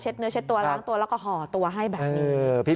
เนื้อเช็ดตัวล้างตัวแล้วก็ห่อตัวให้แบบนี้